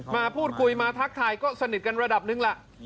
มาพูดคุยมาทักทายก็สนิทกันระดับหนึ่งล่ะ